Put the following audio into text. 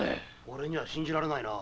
俺には信じられないな。